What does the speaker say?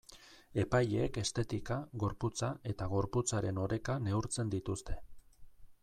Epaileek estetika, gorputza eta gorputzaren oreka neurtzen dituzte.